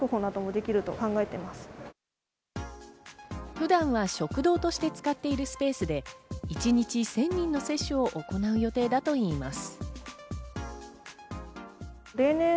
普段は食堂として使っているスペースで一日１０００人の接種を行う予定だといいます。